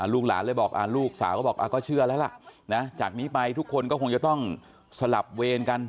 ลูกหลานเลยบอกลูกสาวก็บอกก็เชื่อแล้วล่ะจากนี้ไปทุกคนก็คงจะต้องสลับเวรกัน